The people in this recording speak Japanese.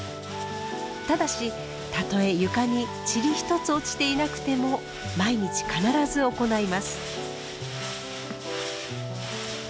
ただしたとえ床に塵一つ落ちていなくても毎日必ず行います。